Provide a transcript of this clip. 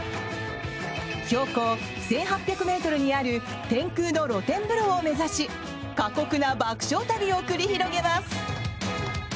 標高１８００ｍにある天空の露天風呂を目指し過酷な爆笑旅を繰り広げます！